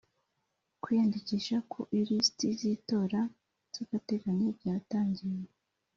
kwiyandikisha ku ilisiti zitora zagateganyo byatangiye